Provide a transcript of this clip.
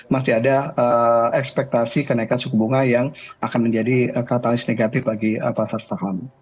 masih ada ekspektasi kenaikan suku bunga yang akan menjadi katalis negatif bagi pasar saham